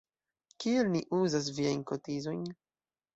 Kiel ni uzas viajn kotizojn?